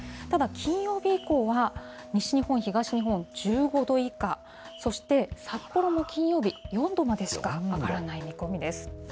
ただ、金曜日以降は、西日本、東日本、１５度以下、そして札幌も金曜日４度までしか上がらない見込みです。